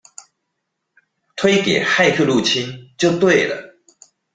推給「駭客入侵」就對了！